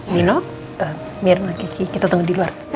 minum mirna kiki kita tunggu di luar